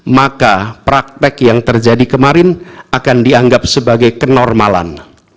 maka praktek yang terjadi kemarin akan dianggap sebagai kenormalan